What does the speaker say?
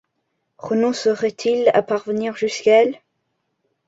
Renoncerait-il à parvenir jusqu’à elle?...